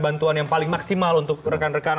bantuan yang paling maksimal untuk rekan rekan